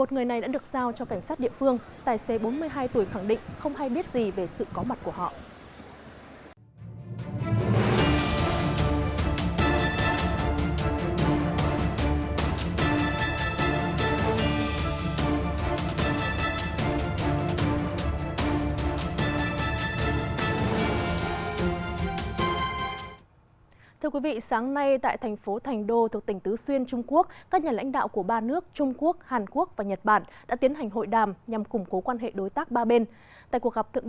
một mươi một người này đã được giao cho cảnh sát địa phương tài xế bốn mươi hai tuổi khẳng định không hay biết gì về sự có mặt của họ